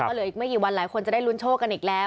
เหลืออีกไม่กี่วันหลายคนจะได้ลุ้นโชคกันอีกแล้ว